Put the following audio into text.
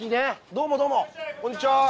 どうもどうもこんにちは。